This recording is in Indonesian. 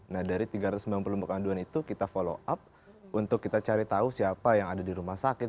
nah dari tiga ratus sembilan puluh aduan itu kita follow up untuk kita cari tahu siapa yang ada di rumah sakit